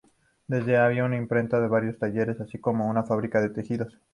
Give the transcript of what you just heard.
Donde había una imprenta y varios talleres, así como una fábrica de tejidos.